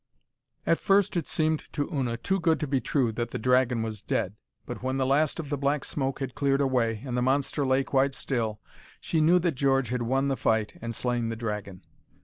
At first it seemed to Una too good to be true that the dragon was dead. But when the last of the black smoke had cleared away, and the monster lay quite still, she knew that George had won the fight and slain the dragon.